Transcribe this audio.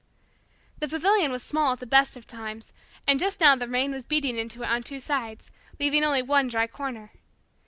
The pavilion was small at the best of times, and just now the rain was beating into it on two sides, leaving only one dry corner.